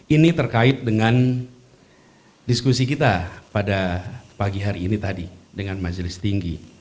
ini terkait dengan diskusi kita pada pagi hari ini tadi dengan majelis tinggi